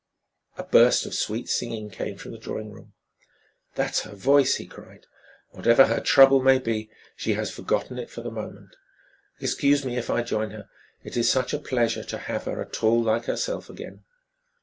A burst of sweet singing came from the drawing room. "That's her voice," he cried. "Whatever her trouble may be she has forgotten it for the moment. Excuse me if I join her. It is such pleasure to have her at all like herself again."